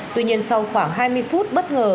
tuy nhiên sau khoảng hai mươi phút bất ngờ